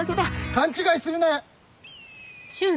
勘違いするな。